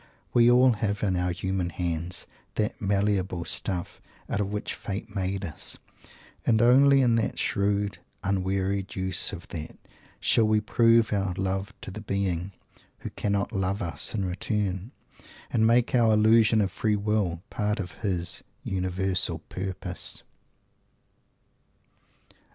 That is all we have in our human hands, that malleable stuff out of which Fate made us and only in the shrewd, unwearied use of that shall we prove our love to the Being "who cannot love us in return" and make our illusion of Free Will part of his universal Purpose!